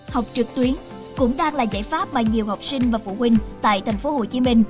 học trực tuyến cũng đang là giải pháp mà nhiều học sinh và phụ huynh tại tp hcm